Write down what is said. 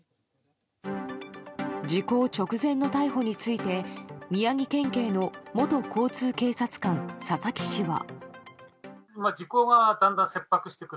時効直前の逮捕について宮城県警の元交通警察官佐々木氏は。